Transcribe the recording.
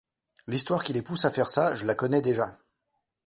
L’histoire qui les pousse à faire ça, je la connais déjà.